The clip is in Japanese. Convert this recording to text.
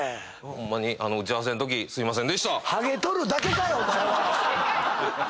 ホンマに打ち合わせのときすいませんでした！